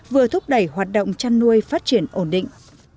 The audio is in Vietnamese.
vừa thúc đẩy hoạt động chăn nuôi phát triển ổn định